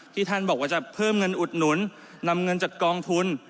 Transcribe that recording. ท่านบอกว่าจะเพิ่มเงินอุดหนุนนำเงินจากกองทุน